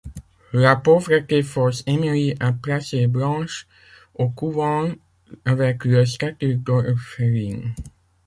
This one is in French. La pauvreté force Émilie à placer Blanche au couvent avec le statut d'orpheline.